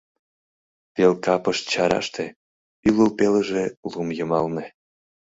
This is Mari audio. Пел капышт чараште, ӱлыл пелыже — лум йымалне.